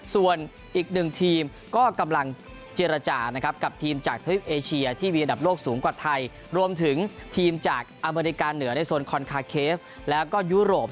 ส่วนอีกหนึ่งทีมก็กำลังเจรจานะครับกับทีมจากทริปเอเชียที่มีอันดับโลกสูงกว่าไทยรวมถึงทีมจากอเมริกาเหนือในโซนคอนคาเคฟแล้วก็ยุโรป